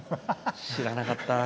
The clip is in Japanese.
知らなかった。